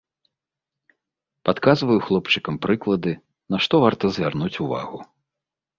Падказваю хлопчыкам прыклады, на што варта звярнуць увагу.